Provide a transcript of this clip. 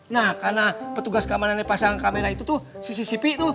nah karena petugas keamanannya pasang kamera itu tuh cctv tuh